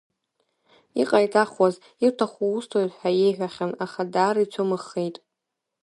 Иҟаиҵахуаз, иуҭаху усҭоит ҳәа иеиҳәахьан, аха даара ицәымыӷхеит.